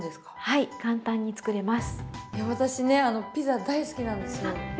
いや私ねピザ大好きなんですよ。